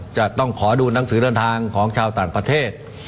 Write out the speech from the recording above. จะต้องขอดูหนังสือเดินทางของชาวต่างประเทศ